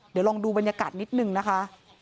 เดี๋ยวลองดูบรรยากาศนิดนึงนะคะ